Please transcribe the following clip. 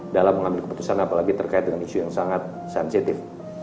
dalam mengambil keputusan apalagi terkait dengan isu yang sangat sensitif